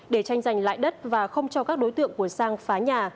để tranh giành lại đất và không cho các đối tượng của sang phá nhà